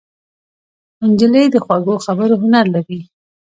نجلۍ د خوږو خبرو هنر لري.